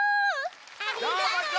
ありがとち！